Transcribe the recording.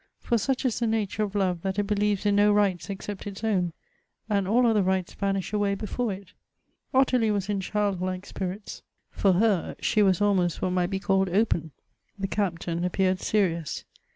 For such is the nature of love that it believes in no rights except its own, and all other rights vanish away before it. Ottilie was in child like spirits. For her — she was almost what might be called open. The Captain appeared serious.